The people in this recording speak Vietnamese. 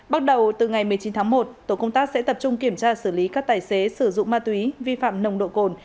bắt đầu từ ngày một mươi chín tháng một tổ công tác sẽ tập trung kiểm tra xử lý các tài xế sử dụng ma túy vi phạm nồng độ cồn